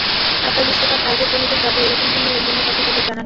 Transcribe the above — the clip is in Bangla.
কাতার বিশ্বকাপ আয়োজক কমিটির দাবি, এরকম কোনো লেনদেনের কথা তাদের জানা নেই।